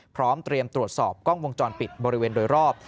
พร้อมเตรียมตรวจสอบกล้องวงจรปิดบริเวณโดยรอบ